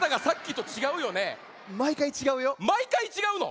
まいかいちがうの？